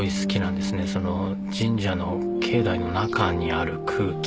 その神社の境内の中にある空気。